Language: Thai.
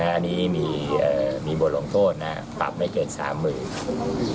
อันนี้มีบทลงโทษปรับไม่เกิน๓หมื่น